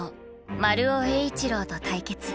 丸尾栄一郎と対決。